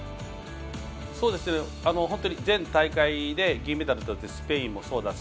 本当に前大会で銀メダルとったスペインもそうだし